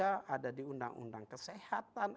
ada di undang undang kesehatan